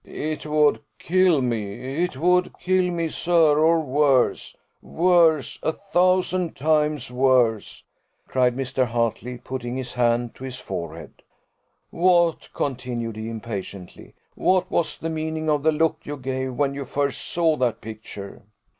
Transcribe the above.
"It would kill me it would kill me, sir! or worse! worse! a thousand times worse!" cried Mr. Hartley, putting his hand to his forehead. "What," continued he impatiently, "what was the meaning of the look you gave, when you first saw that picture?